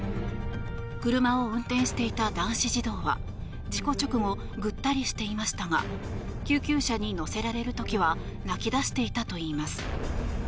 車を運転していた男子児童は事故直後ぐったりしていましたが救急車に乗せられる時は泣き出していたといいます。